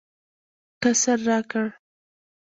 قصر راکړ.